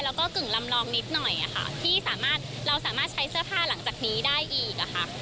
แล้วก็กึ่งลำลองนิดหน่อยค่ะที่สามารถเราสามารถใช้เสื้อผ้าหลังจากนี้ได้อีกค่ะ